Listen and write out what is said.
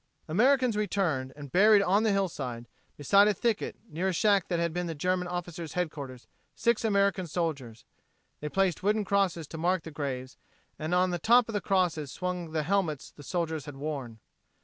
Americans returned and buried on the hillside beside a thicket, near a shack that had been the German officer's headquarters six American soldiers. They placed wooden crosses to mark the graves and on the top of the crosses swung the helmets the soldiers had worn.